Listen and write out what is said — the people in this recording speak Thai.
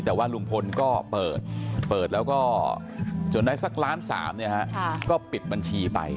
แต่ว่าลุงพลก็เปิดเปิดแล้วก็จนได้สักล้านสามเนี่ยฮะก็ปิดบัญชีไป